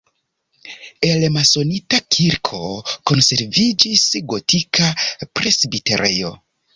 El masonita kirko konserviĝis gotika presbiterejo.